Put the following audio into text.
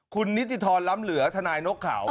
คุณนิทริธรรมชีวิตลัมเหลือธนายนกเขา